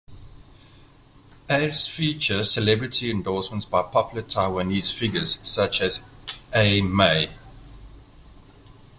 Ads feature celebrity endorsements by popular Taiwanese figures such as A-Mei.